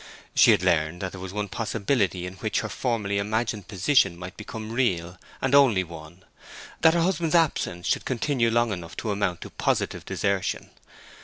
She had learned that there was one possibility in which her formerly imagined position might become real, and only one; that her husband's absence should continue long enough to amount to positive desertion.